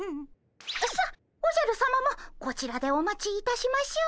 さあおじゃるさまもこちらでお待ちいたしましょう。